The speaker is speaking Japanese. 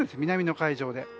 南の海上で。